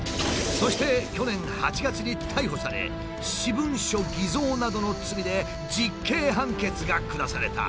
そして去年８月に逮捕され私文書偽造などの罪で実刑判決が下された。